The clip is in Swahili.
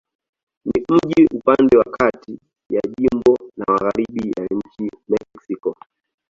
Ni mji upande wa kati ya jimbo na magharibi ya nchi Mexiko.